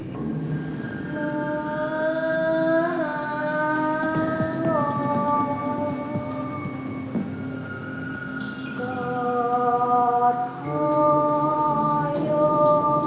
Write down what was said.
ลูกแมลูกแม่อยู่ไหน